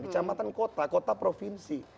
kecamatan kota kota provinsi